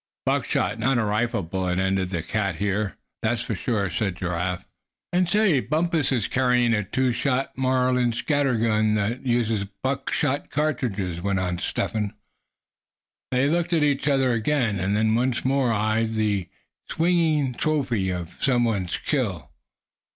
"Buckshot, not a rifle bullet ended this here cat, that's sure," said Giraffe. "And say, Bumpus is carrying a two shot Marlin scatter gun that uses buckshot cartridges!" went on Step Hen. They looked at each other again, and then once more eyed the swinging trophy of some one's skill.